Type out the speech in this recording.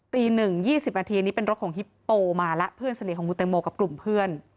ตีหนึ่งยี่สิบนาทีนี้เป็นรถของฮิปโปมาละเพื่อนเสน่ห์ของคุณเตมโมกับกลุ่มเพื่อน